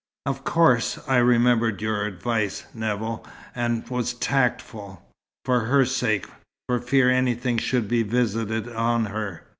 Of course I remembered your advice, Nevill, and was tactful for her sake, for fear anything should be visited on her.